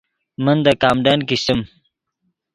من دے کامڈن کیشچیم